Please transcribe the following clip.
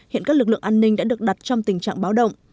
hiện các lực lượng an ninh đã được đặt trong tình trạng báo động